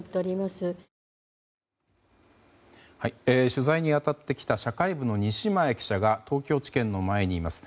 取材に当たってきた社会部の西前記者が東京地検の前にいます。